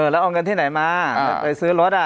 แล้วเอาเงินที่ไหนมาไปซื้อรถ